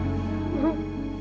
terima kasih banyak dari teman teman